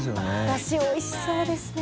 ダシおいしそうですね！